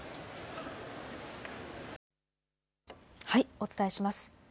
お伝えします。